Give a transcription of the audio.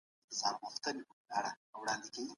په هرات کي د مېوو پروسس څنګه ترسره کېږي؟